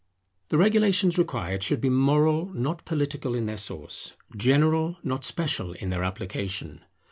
The regulations required should be moral, not political in their source; general, not special, in their application.